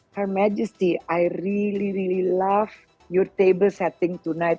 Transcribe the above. her majesty saya sangat sangat menyukai aturan tabel anda malam ini